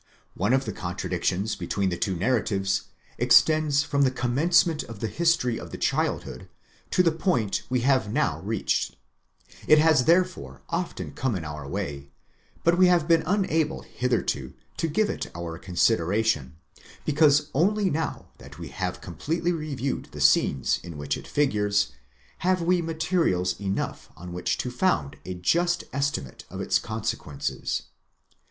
One of the contradictions between the two narratives extends from the commencement of the history of the childhood to the point we have now reached ; it has therefore often come in our way, but we have been unable hitherto to give it our consideration, because only now that we have com pletely reviewed the scenes in which it figures, have we materials enough on which to found a just estimate of its consequences.